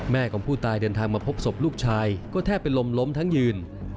ของผู้ตายเดินทางมาพบศพลูกชายก็แทบเป็นลมล้มทั้งยืน